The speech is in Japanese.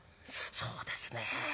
「そうですねえ」。